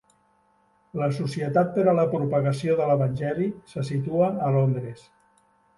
La Societat per a la Propagació de l'Evangeli se situa a Londres.